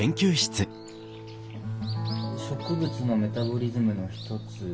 「植物のメタボリズムの一つで」。